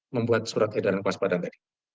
membuat surat edaran waspadaan